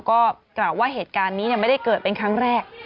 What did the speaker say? ก็กล่าวว่าเหตุการณ์นี้ไม่ได้เกิดเป็นครั้งแรก